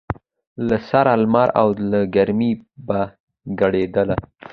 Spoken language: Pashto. له سره لمر او له ګرمۍ به کړېدله